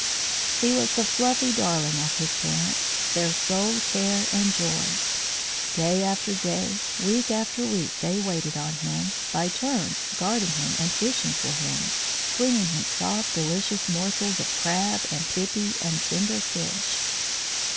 He was the fluffy darling of his parents, their sole care and joy. Day after day, week after week, they waited on him, by turns guarding him and fishing for him, bringing him soft delicious morsels of crab and pipi and tender fish.